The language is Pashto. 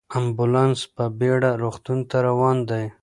امبولانس په بیړه روغتون ته روان دی.